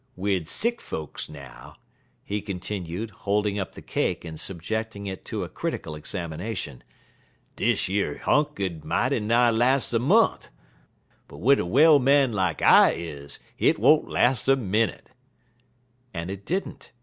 Wid sick folks, now," he continued, holding up the cake and subjecting it to a critical examination, "dish yer hunk 'ud mighty nigh las' a mont', but wid a well man lak I is, hit won't las' a minnit." And it did n't.